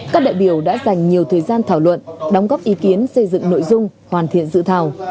các đại biểu đã dành nhiều thời gian thảo luận đóng góp ý kiến xây dựng nội dung hoàn thiện dự thảo